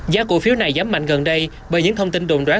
giá cổ phiếu này giảm mạnh gần đây bởi những thông tin đồn đoán